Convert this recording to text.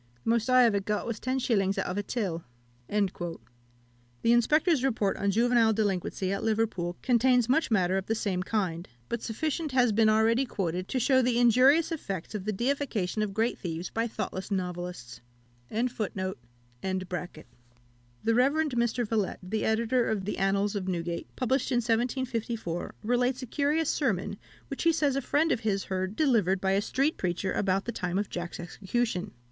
The most I ever got was 10s. out of a till." The Inspector's Report on Juvenile Delinquency at Liverpool contains much matter of the same kind; but sufficient has been already quoted to shew the injurious effects of the deification of great thieves by thoughtless novelists. The Rev. Mr. Villette, the editor of the Annals of Newgate, published in 1754, relates a curious sermon, which he says a friend of his heard delivered by a street preacher about the time of Jack's execution.